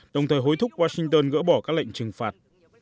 đồng thời hối thúc washington gỡ bỏ các lệnh trừng phạt